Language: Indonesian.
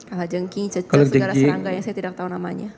ada jengking cecok segala serangga yang saya tidak tahu namanya